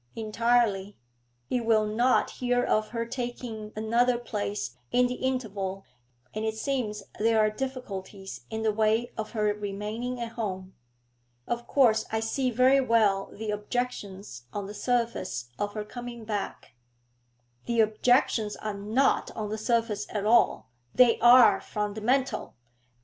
'Entirely. He will not hear of her taking another place in the interval, and it seems there are difficulties in the way of her remaining at home. Of course I see very well the objections on the surface to her coming back ' 'The objections are not on the surface at all, they are fundamental.